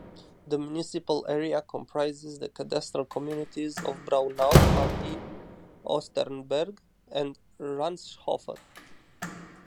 The municipal area comprises the cadastral communities of Braunau am Inn, Osternberg, and Ranshofen.